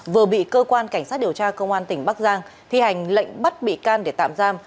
vừa bị cơ quan cảnh sát điều tra công an tỉnh bắc giang thi hành lệnh bắt bị can để tạm giam